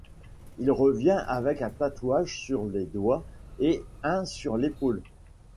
Il revient avec un tatouage sur les doigts et un sur l'épaule.